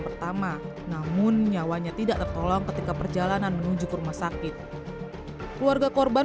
pertama namun nyawanya tidak tertolong ketika perjalanan menuju ke rumah sakit keluarga korban